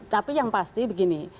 tapi yang pasti begini